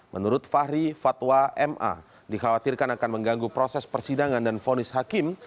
menurut fahri fatwa ma dikhawatirkan akan mengganggu proses persidangan dan fonis hakim